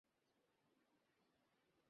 তাতেই বন্ধু হয়ে গেলাম?